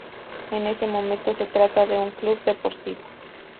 En ese momento, se trata de un club deportivo.